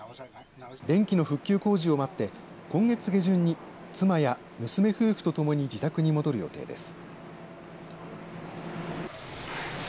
電気の復旧工事を待って今月下旬に妻や娘夫婦とともに自宅に戻る予定です。